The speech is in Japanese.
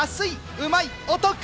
うまい！お得！